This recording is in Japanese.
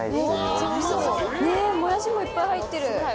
モヤシもいっぱい入ってる。